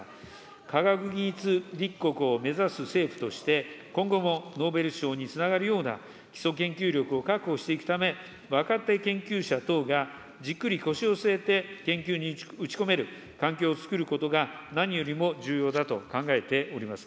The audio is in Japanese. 科学技術立国を目指す政府として、今後もノーベル賞につながるような基礎研究力を確保していくため、若手研究者等がじっくり腰を据えて研究に打ち込める環境をつくることが何よりも重要だと考えております。